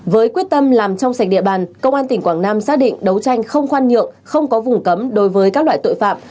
với quyết tâm làm trong sạch địa bàn công an tỉnh quảng nam xác định đấu tranh không khoan nhượng không có vùng cấm đối với các loại tội phạm